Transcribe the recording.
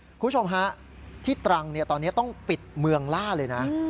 คุณผู้ชมฮะที่ตรังตอนนี้ต้องปิดเมืองล่าเลยนะ